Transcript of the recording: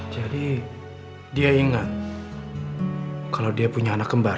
jadi dia ingat kalau dia punya anak kembar